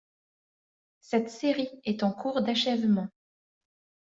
Cette série est en cours d'achèvement.